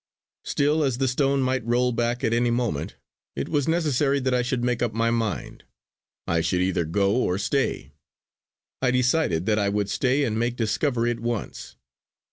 Still as the stone might roll back at any moment, it was necessary that I should make up my mind; I should either go or stay. I decided that I would stay and make discovery at once.